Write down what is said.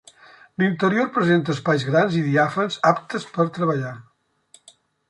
L'interior presenta espais grans i diàfans aptes per treballar.